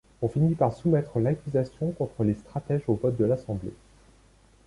On finit par soumettre l’accusation contre les stratèges au vote de l’assemblée.